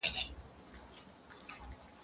زه مخکي د تکړښت لپاره تللي وو!!